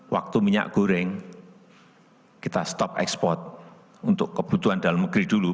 waktu minyak goreng kita stop ekspor untuk kebutuhan dalam negeri dulu